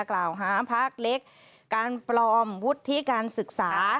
กล่าวหาพักเล็กการปลอมวุฒิการศึกษา